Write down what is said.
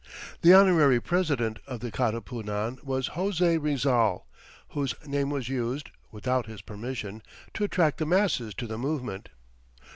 The honorary president of the Katipunan was José Rizal, whose name was used, without his permission, to attract the masses to the movement.